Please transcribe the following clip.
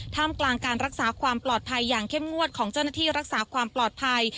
มกลางการรักษาความปลอดภัยอย่างเข้มงวดของเจ้าหน้าที่รักษาความปลอดภัย